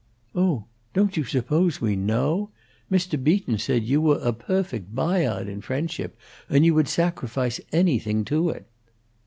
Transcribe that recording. "Oh, don't you suppose we know? Mr. Beaton said you we' a pofect Bahyard in friendship, and you would sacrifice anything to it."